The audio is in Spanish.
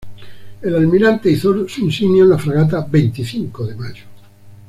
El almirante izó su insignia en la fragata Veinticinco de Mayo.